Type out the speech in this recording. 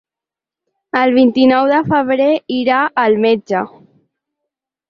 El vint-i-nou de febrer irà al metge.